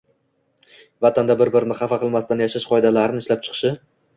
vatanda bir-birini xafa qilmasdan yashash qoidalarini ishlab chiqishi